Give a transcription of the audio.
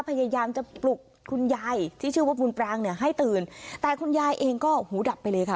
พยายามจะปลุกคุณยายที่ชื่อว่าบุญปรางเนี่ยให้ตื่นแต่คุณยายเองก็หูดับไปเลยค่ะ